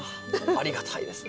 ありがたいですね。